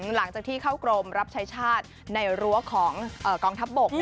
หลังจากที่เข้ากรมรับใช้ชาติในรั้วของกองทัพบก